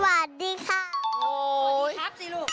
สวัสดีครับจีลูก